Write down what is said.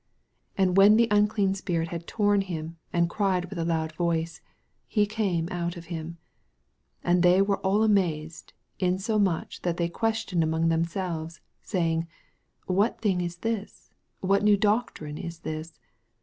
26 And when the unclean spirit had torn him, and cried with a loud voice, he came out of him. 27 And they were all amazed, in somuch that they questioned among themselves, saying, What thing is this ? what new doctrine is this